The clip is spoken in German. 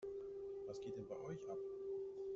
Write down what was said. Was geht denn bei euch ab?